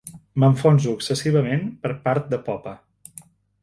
M'enfonso excessivament per part de popa.